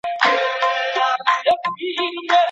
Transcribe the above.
ولي کوښښ کوونکی د ذهین سړي په پرتله ژر بریالی کېږي؟